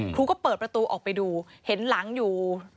ครูก็เปิดประตูออกไปดูเห็นหลังอยู่